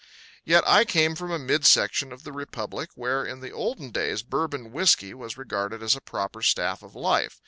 Yet I came from a mid section of the republic where in the olden days Bourbon whiskey was regarded as a proper staff of life.